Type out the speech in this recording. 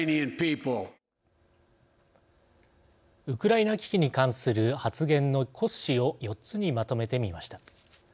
ウクライナ危機に関する発言の骨子を４つにまとめてみました。